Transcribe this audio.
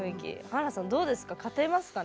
華さんどうですか？